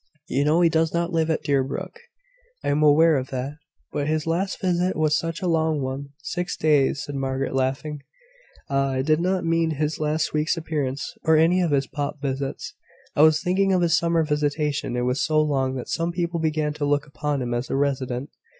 You know he does not live at Deerbrook." "I am aware of that; but his last visit was such a long one " "Six days," said Margaret, laughing. "Ah! I did not mean his last week's appearance, or any of his pop visits. I was thinking of his summer visitation. It was so long, that some people began to look upon him as a resident."